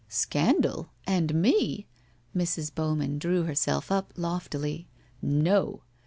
' 'Scandal — and me!' Mrs. Bowman drew herself up loftily. ' No.